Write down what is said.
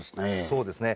そうですね